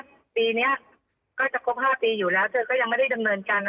ปีนี้ก็จะครบ๕ปีอยู่แล้วเธอก็ยังไม่ได้ดำเนินการนะ